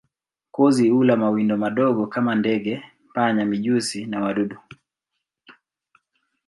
Kozi hula mawindo madogo kama ndege, panya, mijusi na wadudu.